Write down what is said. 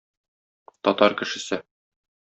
Татар кешесе!